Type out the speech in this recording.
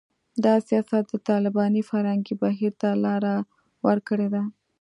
دا سیاست د طالباني فرهنګي بهیر ته لاره ورکړې ده